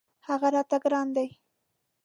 هغه راته ګران دی.